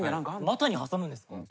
股に挟むんですか？